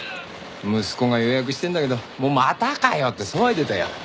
息子が予約してるんだけど「もうまたかよ！」って騒いでたよ。